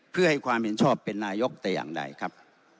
เพื่อให้ความเห็นชอบเป็นนายกแต่อย่างใดครับ